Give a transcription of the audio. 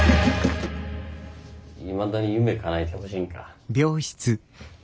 いまだに夢かなえてほしいんか。